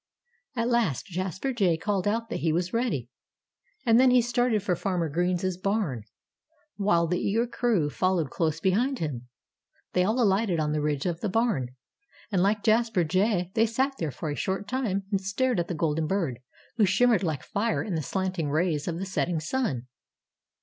At last Jasper Jay called out that he was ready. And then he started for Farmer Green's barn, while the eager crew followed close behind him. They all alighted on the ridge of the barn. And like Jasper Jay, they sat there for a short time and stared at the golden bird, who shimmered like fire in the slanting rays of the setting sun.